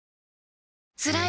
つらい